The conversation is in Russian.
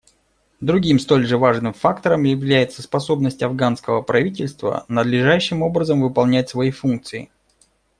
Другим столь же важным фактором является способность афганского правительства надлежащим образом выполнять свои функции.